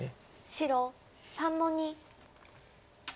白３の二。